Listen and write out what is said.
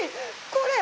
これ。